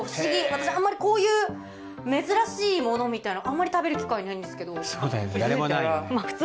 私あんまりこういう珍しいものみたいなのあんまり食べる機会ないんですけど。